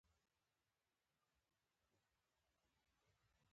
د احمد کتاب په ځمکه ننوت.